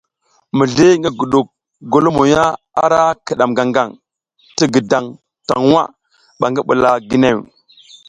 Mizli ngi guɗuk golomoya ara kiɗam gangaŋ ti gǝdaŋ taŋ nwa ɓa ngi ɓula ginew.